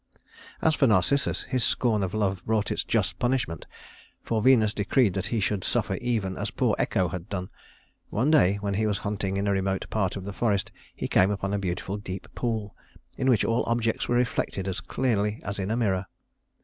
As for Narcissus, his scorn of love brought its just punishment, for Venus decreed that he should suffer even as poor Echo had done. One day when he was hunting in a remote part of the forest, he came upon a beautiful deep pool in which all objects were reflected as clearly as in a mirror.